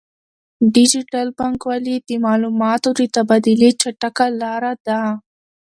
ډیجیټل بانکوالي د معلوماتو د تبادلې چټکه لاره ده.